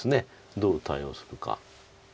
どう対応するか。